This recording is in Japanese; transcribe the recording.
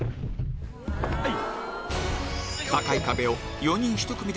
はい！